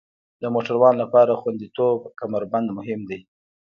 د موټروان لپاره خوندیتوب کمربند مهم دی.